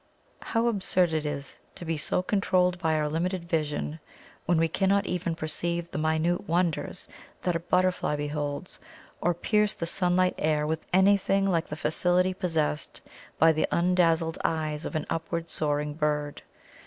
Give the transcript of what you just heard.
How absurd it is to be so controlled by our limited vision, when we cannot even perceive the minute wonders that a butterfly beholds, or pierce the sunlit air with anything like the facility possessed by the undazzled eyes of an upward soaring bird!